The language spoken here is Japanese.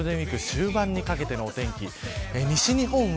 ゴールデンウイーク終盤にかけてのお天気。